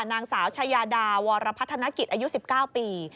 นางสาวชายาดาวรพัฒนกิจอายุ๑๙ปี